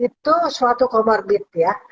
itu suatu comorbid ya